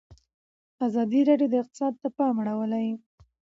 ازادي راډیو د اقتصاد ته پام اړولی.